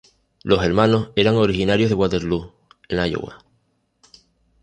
Los hermanos eran originarios de Waterloo, en Iowa.